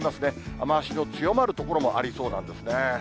雨足の強まる所もありそうなんですね。